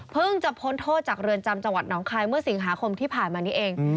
จะพ้นโทษจากเรือนจำจังหวัดหนองคายเมื่อสิงหาคมที่ผ่านมานี้เอง